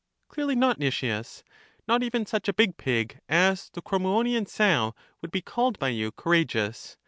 Clearly not, Nicias; not even such a big pig as the Crommyonian sow would be called by you courageous.